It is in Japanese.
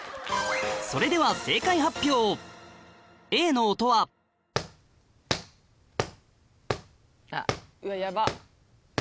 それでは正解発表Ａの音はうわヤバっ。